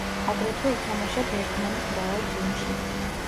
აგრეთვე ითამაშა ბერგმანის მრავალ ფილმში.